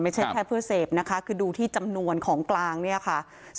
ไม่ใช่แค่เพื่อเสพนะคะคือดูที่จำนวนของกลางเนี่ยค่ะ